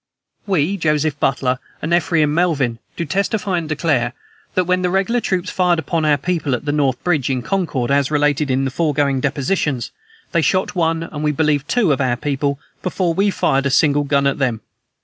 "We, Joseph Butler and Ephraim Melvin, do testify and declare, that, when the regular troops fired upon our people at the north bridge, in Concord, as related in the foregoing depositions, they shot one, and we believe two, of our people, before we fired a single gun at them.